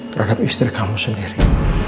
terhadap istri kamu sendiri